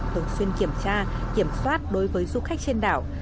thường xuyên kiểm tra kiểm soát đối với du khách trên đảo